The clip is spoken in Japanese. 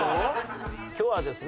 今日はですね